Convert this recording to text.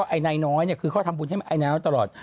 ไอ้นายน้อยเนี่ยคือเขาทำบุญให้ไอ้น้ำตลอด